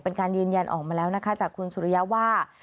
เป็นการยืนยันออกมาแล้วนะคะจากคุณสุริยะว่า